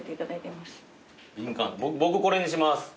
僕これにします。